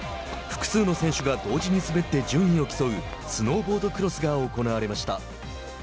複数の選手が同時に滑って順位を競うスノーボードクロスが行われました。